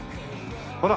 ほら。